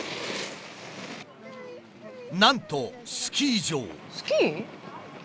なんとスキー場。